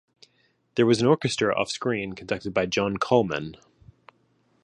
There was an orchestra off screen, conducted by John Coleman.